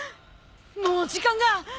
もう時間が。